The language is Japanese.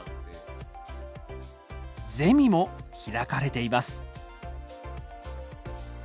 ゼミも開かれています。